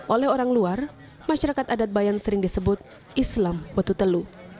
oleh orang luar masyarakat adat bayan sering disebut islam wetutelu